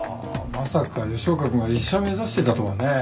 まさか吉岡君が医者目指してたとはね。